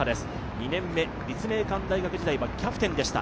２年目、立命館大学時代はキャプテンでした。